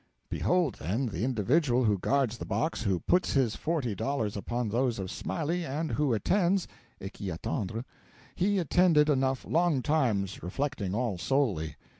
Behold, then, the individual who guards the box, who puts his forty dollars upon those of Smiley, and who attends (et qui attendre). He attended enough longtimes, reflecting all solely.